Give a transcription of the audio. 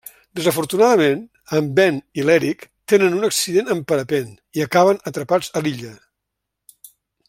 Desafortunadament, en Ben i l'Eric tenir un accident en parapent i acaben atrapats a l'illa.